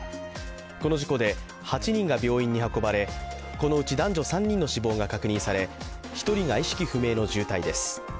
この事故で８人が病院に運ばれこのうち男女３人の死亡が確認され１人が意識不明の重体です。